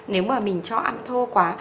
nếu mà mình cho ăn thô quá